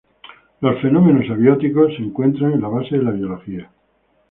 Los fenómenos abióticos se encuentran en la base de la biología.